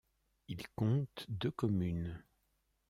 Il compte deux communes.